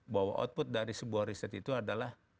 bahwa output dari sebuah riset itu adalah